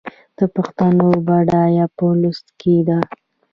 د پښتو بډاینه په لوست کې ده.